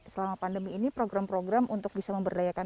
selama pandemi ini program program untuk bisa memberdayakan